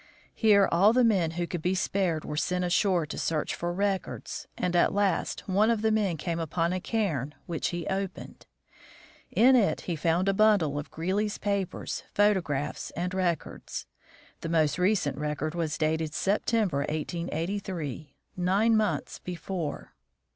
Here all the men who could be spared were sent ashore to search for records, and at last one of the men came upon a cairn, which he opened. In it he found a bundle of Greely's papers, photographs, and records. The most recent record was dated September, 1883, nine months before.